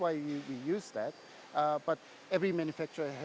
itulah mengapa kami menggunakannya